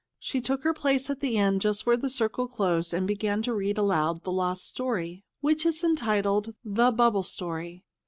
She took her place at the end just where the circle closed, and began to read aloud the lost story, which is entitled "The Bubble Story."